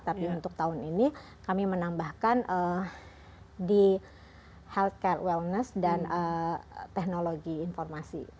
tapi untuk tahun ini kami menambahkan di healthcare wellness dan teknologi informasi